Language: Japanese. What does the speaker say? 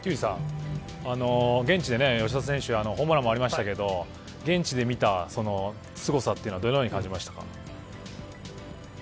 現地で吉田選手がホームランもありましたけども現地で見たその凄さはどのように感じましたか。